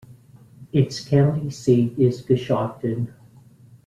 Its county seat is Coshocton.